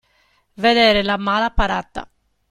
Vedere la mala parata.